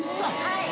はい。